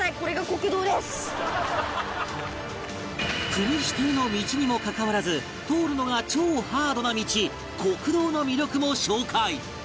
国指定の道にもかかわらず通るのが超ハードな道酷道の魅力も紹介